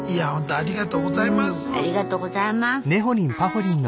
「ありがとうございます」。